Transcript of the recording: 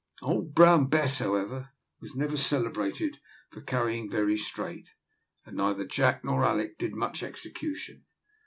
Old Brown Bess, however, was never celebrated for carrying very straight, and neither Jack nor Alick did much execution.